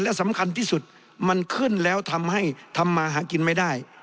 และสำคัญที่สุดมันขึ้นแล้วทำให้ทำมาหากินไม่ได้